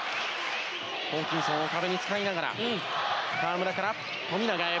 ホーキンソンを壁に使いながら河村から富永へ。